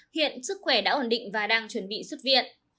hiện sức khỏe đã ổn định và đang chuẩn bị xuất viện